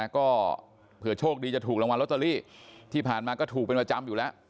ก็เผื่อโชคดีจะถูกรางวัลลอตเตอรี่ที่ผ่านมาก็ถูกเป็นประจำอยู่แล้ว